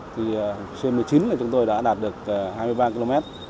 thì c một mươi chín thì chúng tôi đã đạt được hai mươi ba km